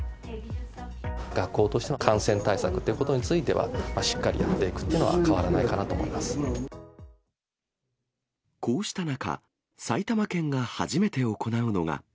学校としては、感染対策ということについては、しっかりやっていくっていうのはこうした中、埼玉県が初めて行うのが。